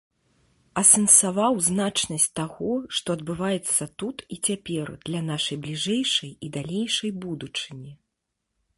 Асэнсаваў значнасць таго, што адбываецца тут і цяпер, для нашай бліжэйшай і далейшай будучыні.